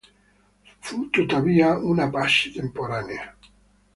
Fu tuttavia una pace temporanea.